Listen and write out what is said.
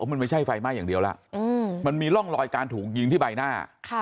มันไม่ใช่ไฟไหม้อย่างเดียวแล้วมันมีร่องรอยการถูกยิงที่ใบหน้า